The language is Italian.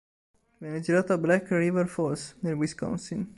Venne girato a Black River Falls, nel Wisconsin.